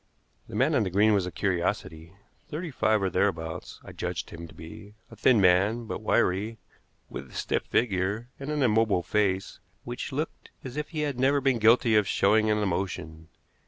The man on the green was a curiosity. Thirty five or thereabouts, I judged him to be; a thin man, but wiry, with a stiff figure and an immobile face, which looked as if he had never been guilty of showing an emotion.